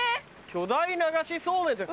「巨大流しそうめん」って。